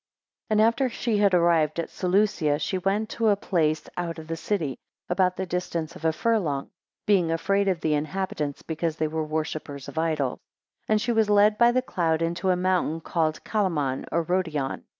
13 And after she had arrived at Seleucia she went to a place out of the city, about the distance of a furlong, being afraid of the inhabitants, because they were worshippers of idols. 14 And she was lead (by the cloud) into a mountain called Calamon, or Rodeon.